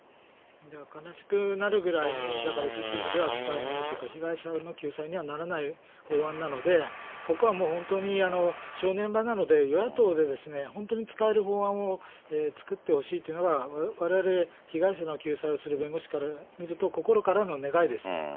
悲しくなるぐらいに、だから実務では使えないというか、被害者の救済にはならない法案なので、ここはもう、本当に正念場なので、与野党で本当に使える法案を作ってほしいっていうのが、われわれ被害者の救済をする弁護士から見ると、心からの願いです